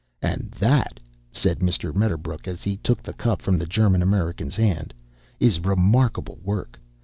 "And that," said Mr. Medderbrook as he took the cup from the German American's hand, "is remarkable work.